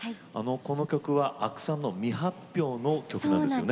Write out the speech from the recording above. この曲は阿久さんの未発表の曲なんですよね。